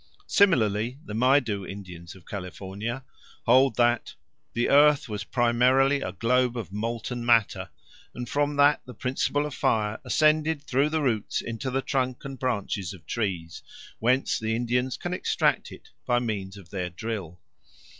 Similarly the Maidu Indians of California hold that "the earth was primarily a globe of molten matter, and from that the principle of fire ascended through the roots into the trunk and branches of trees, whence the Indians can extract it by means of their drill."